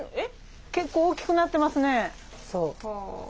結構大きくなってますね。